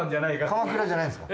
鎌倉じゃないんですか？